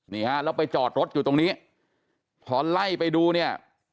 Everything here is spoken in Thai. นี่ฮะแล้วไปจอดรถอยู่ตรงนี้พอไล่ไปดูเนี่ย